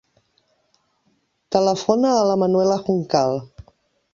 Telefona a la Manuela Juncal.